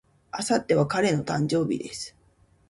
明後日は彼の誕生日です。